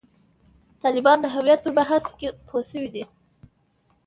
طالبان د هویت پر بحث کې پوه شوي دي.